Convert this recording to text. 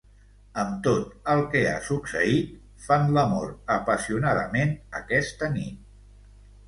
Amb tot el que ha succeït, fan l'amor apassionadament aquesta nit.